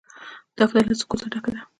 دښته له سکوته ډکه ده.